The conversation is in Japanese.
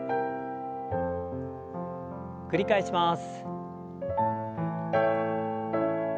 繰り返します。